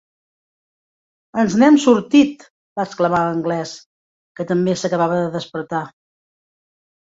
"Ens n'hem sortit!", va exclamar l'Anglès, que també s'acabava de despertar.